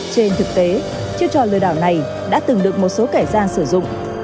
trên thực tế chiêu trò lừa đảo này đã từng được một số kẻ gian sử dụng